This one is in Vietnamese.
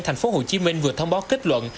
thành phố hồ chí minh vừa thông báo kết luận